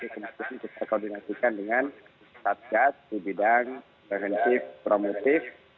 kita koordinasikan dengan tatgas di bidang preventif promotif